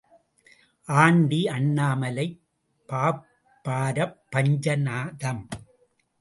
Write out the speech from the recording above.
Aunty Annamalai, பாப்பாரப் பஞ்சநதம்.